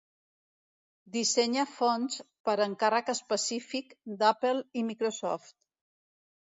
Dissenya fonts per encàrrec específic d'Apple i Microsoft.